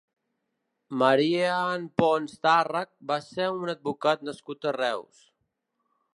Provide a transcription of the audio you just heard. Marian Pons Tàrrech va ser un advocat nascut a Reus.